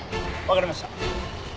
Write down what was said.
わかりました。